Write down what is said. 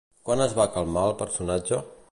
Quan es va calmar el personatge?